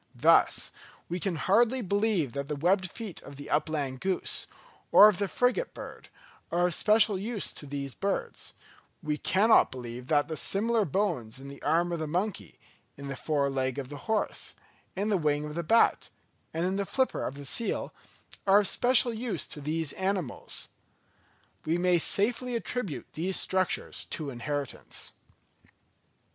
Thus, we can hardly believe that the webbed feet of the upland goose, or of the frigate bird, are of special use to these birds; we cannot believe that the similar bones in the arm of the monkey, in the fore leg of the horse, in the wing of the bat, and in the flipper of the seal, are of special use to these animals. We may safely attribute these structures to inheritance.